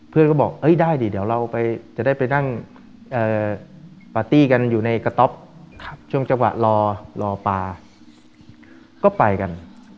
เพื่อนก็บอกได้ดิเดี๋ยวเราจะได้ไปนั่งปาร์ตี้กันอยู่ในกระต๊อปช่วงจังหวะรอรอปลาก็ไปกัน